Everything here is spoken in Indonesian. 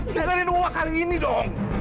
dengarin gua kali ini dong